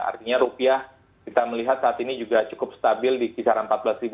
artinya rupiah kita melihat saat ini juga cukup stabil di kisaran empat belas